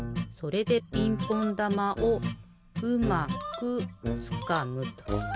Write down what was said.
それでピンポンだまをうまくつかむと。